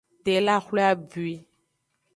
Tela xwle abwui.